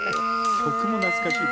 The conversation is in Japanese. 曲も懐かしい。